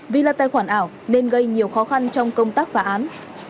vì là tài khoản ảo nên gây nhiều khó khăn trong công tác phá án